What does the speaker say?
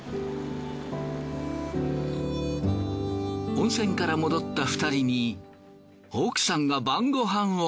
温泉から戻った２人に奥さんが晩ご飯を。